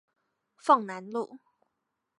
鳳楠路